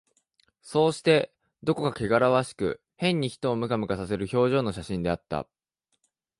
そうして、どこかけがらわしく、変に人をムカムカさせる表情の写真であった